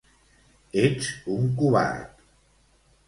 Ets un covard!